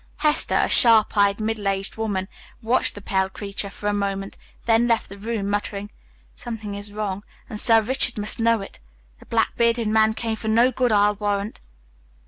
Hester, a sharp eyed, middle aged woman, watched the pale creature for a moment, then left the room muttering, "Something is wrong, and Sir Richard must know it. That black bearded man came for no good, I'll warrant."